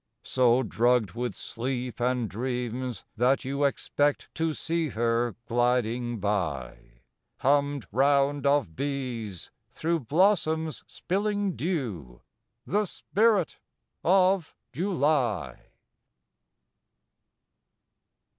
So drugged with sleep and dreams, that you Expect to see her gliding by, Hummed round of bees, through blossoms spilling dew, The Spirit of July.